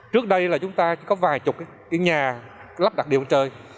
trước đây là chúng ta có vài chục cái nhà lắp đặt điện mặt trời